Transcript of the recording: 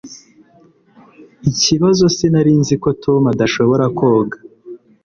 Ikibazo sinari nzi ko Tom adashobora koga.